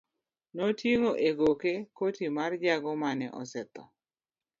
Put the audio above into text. Noting'o e goke koti mar jago mane osetho.